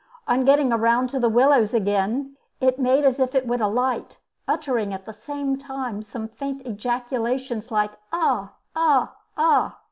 On getting round to the willows again it made as if it would alight, uttering at the same time some faint ejaculations, like "ah! ah! ah!"